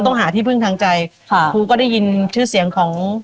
หาที่พึ่งทางใจค่ะครูก็ได้ยินชื่อเสียงของ